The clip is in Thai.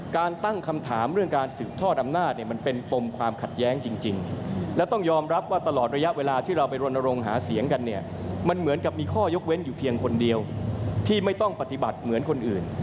การตั้งคำถามเรื่องการสืบทอดอำนาจเนี่ยมันเป็นปมความขัดแย้งจริงและต้องยอมรับว่าตลอดระยะเวลาที่เราไปรณรงค์หาเสียงกันเนี่ยมันเหมือนกับมีข้อยกเว้นอยู่เพียงคนเดียวที่ไม่ต้องปฏิบัติเหมือนคนอื่น